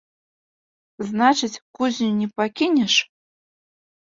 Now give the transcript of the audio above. Значыць, кузню не пакінеш?